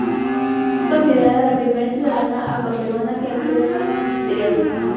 Es considerada la primera ciudadana afroperuana que accede a un cargo ministerial.